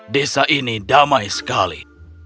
desa ini damai sekali